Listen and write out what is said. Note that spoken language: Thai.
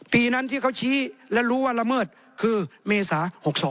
ปีนั้นที่เขาชี้และรู้ว่าละเมิดคือเมษา๖๒